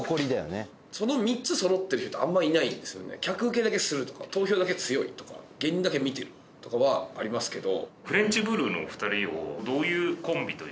客ウケだけするとか投票だけ強いとか芸人だけ見てるとかはありますけど。